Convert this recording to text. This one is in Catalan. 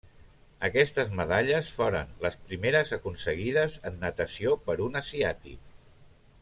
Aquestes medalles foren les primeres aconseguides en natació per un asiàtic.